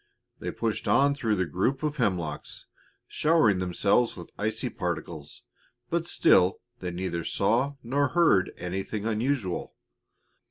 They pushed on through the group of hemlocks, showering themselves with icy particles, but still they neither saw nor heard anything unusual.